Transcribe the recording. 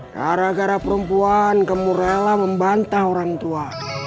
gara gara perempuan kamu rela membantah orang tua